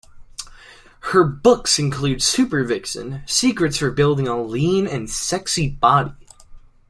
Her books include Supervixen: Secrets for Building a Lean and Sexy Body.